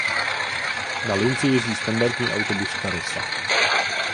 Na lince jezdí standardní autobus Karosa.